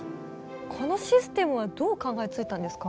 このシステムはどう考えついたんですか？